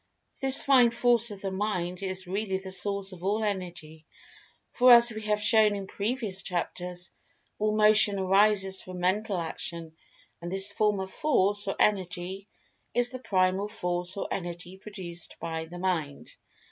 This Fine Force of the Mind is really the source of All Energy, for as we have shown in previous chapters, all Motion arises from Mental Action, and this form of Force or Energy is the primal Force or Energy produced by the Mind.